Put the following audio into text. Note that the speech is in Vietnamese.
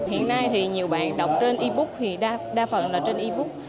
hiện nay thì nhiều bạn đọc trên e book thì đa phần là trên e book